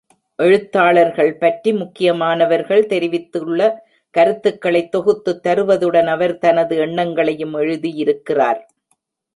எழுத்தாளர்கள் பற்றி முக்கியமானவர்கள் தெரிவித்துள்ள கருத்துக்களைத் தொகுத்துத் தருவதுடன் அவர் தனது எண்ணங்களையும் எழுதியிருக்கிறார்.